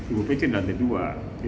ibu pece dan teh dua